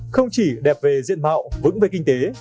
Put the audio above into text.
không chỉ đẹp về diện mạo vững về kinh tế